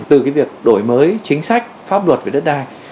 từ việc đổi mới chính sách pháp luật về đất đai